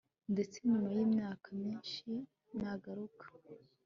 Ndetse nyuma yimyaka myinshi nagaruka